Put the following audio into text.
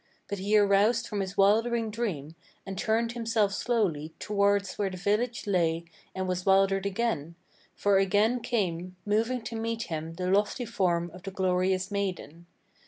But he aroused from his wildering dream and turned himself slowly Towards where the village lay and was wildered again; for again came Moving to meet him the lofty form of the glorious maiden.